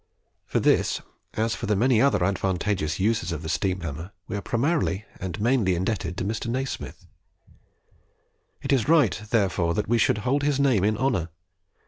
For this, as for the many other advantageous uses of the steam hammer, we are primarily and mainly indebted to Mr. Nasmyth. It is but right, therefore, that we should hold his name in honour.